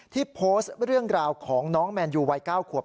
โพสต์เรื่องราวของน้องแมนยูวัย๙ขวบ